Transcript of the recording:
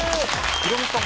ヒロミさん